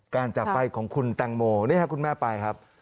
การจับไปของคุณแต่งโมนี่ค่ะคุณแม่ไปครับ